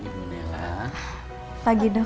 suami dan ibu getah